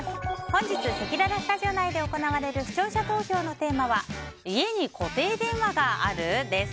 本日、せきららスタジオ内で行われる視聴者投票のテーマは家に固定電話がある？です。